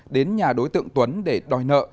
đến nhà đối tượng tuấn để đòi nợ